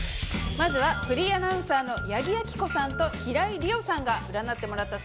まずはフリーアナウンサーの八木亜希子さんと平井理央さんが占ってもらったそうです。